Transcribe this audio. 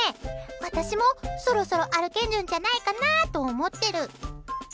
私も、そろそろ歩けるんじゃないかなと思ってる。